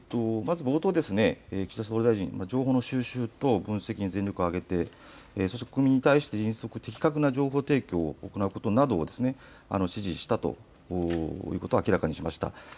まず冒頭、岸田総理大臣、情報の収集と分析に全力を挙げる、そして国民に対して的確な情報提供を行うことなどを指示したということを明らかにしました。